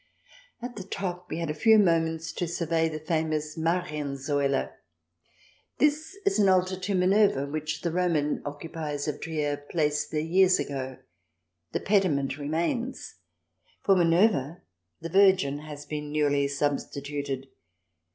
At the top we had a few moments to survey the famous Marien Saule. This is an altar to Minerva which the Roman occupiers of Trier placed there 6 82 THE DESIRABLE ALIEN [ch. vi years ago. The pediment remains ; for Minerva the Virgin has been newly substituted.